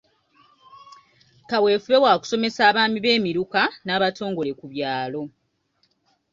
Kaweefube waakusomesa abaami b'emiruka n'abatongole ku byalo.